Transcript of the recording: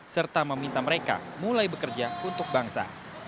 serta meminta mereka mulai bekerja untuk bangsa